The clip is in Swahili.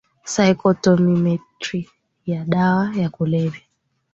saikotomimetri ya dawa ya kulevya